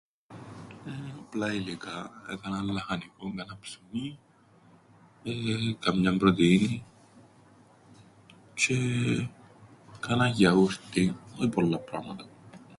Ε, απλά υλικά: κανέναν λαχανικόν, κανέναν ψουμίν, εεε... καμιάν πρωτεΐνην, τζ̆αι... κανέα γιαούρτιν, όι πολλά πράματα.